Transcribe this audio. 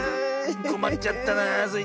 こまっちゃったなあスイ